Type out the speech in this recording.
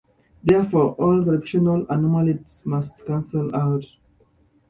Therefore, all gravitational anomalies must cancel out.